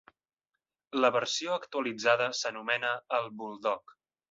La versió actualitzada s'anomena el Bulldog.